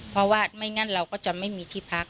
เพราะว่าไม่งั้นเราก็จะไม่มีที่พัก